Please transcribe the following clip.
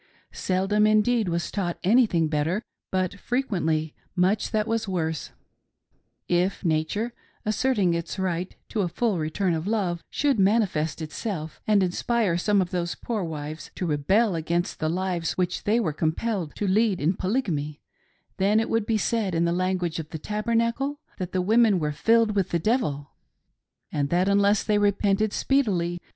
Seldom, indeed, was taught anything better, but frequently much that was worse. If Nature, asserting its right to a full return of love, should manifest itself and inspire some of these poor wives to rebel against the lives which they were compelled to lead in Polygamy, then it would be said, in the language of the Tabernacle, that the women were "filled with the devil," and that unless they repented speedily, they 344 WHAT THEY TAUGHT IX THE TABERNACLE.